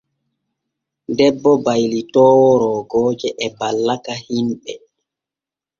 Debbo baylitoowo roogooje e ballaka himɓe.